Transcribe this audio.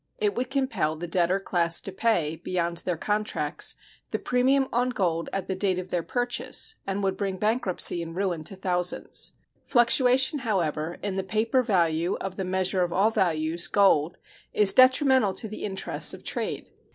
It would compel the debtor class to pay, beyond their contracts, the premium on gold at the date of their purchase and would bring bankruptcy and ruin to thousands. Fluctuation, however, in the paper value of the measure of all values (gold) is detrimental to the interests of trade.